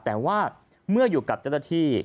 แต่ว่าเมื่ออยู่กับเจ้าหน้าที่